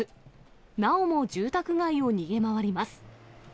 なおも住宅街を逃げ回ります。